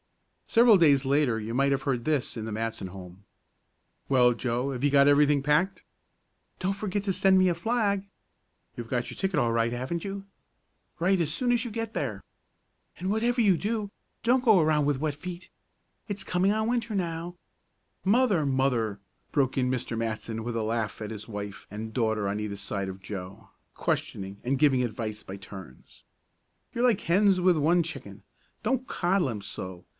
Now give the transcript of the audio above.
Several days later you might have heard this in the Matson home. "Well, Joe, have you got everything packed?" "Don't forget to send me a flag." "You've got your ticket all right, haven't you?" "Write as soon as you get there." "And whatever you do, don't go around with wet feet. It's coming on Winter now " "Mother! Mother!" broke in Mr. Matson, with a laugh at his wife and daughter on either side of Joe, questioning and giving advice by turns. "You're like hens with one chicken. Don't coddle him so.